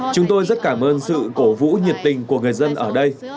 chúng tôi rất cảm ơn sự cổ vũ nhiệt tình của người dân ở đây